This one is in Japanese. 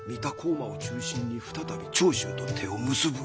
馬を中心に再び長州と手を結ぶ。